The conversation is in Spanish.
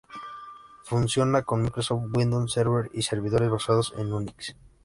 Funciona con Microsoft Windows Server y servidores basados en Unix.